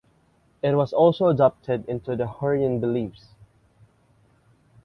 It was also adopted into Hurrian beliefs.